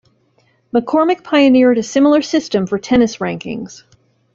McCormack pioneered a similar system for tennis rankings.